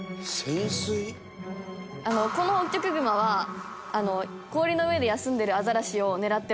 「このホッキョクグマは氷の上で休んでるアザラシを狙ってます」